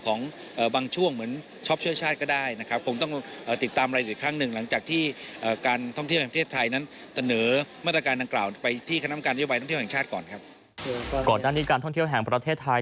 ก่อนหน้านี้การท่องเที่ยวแห่งประเทศไทย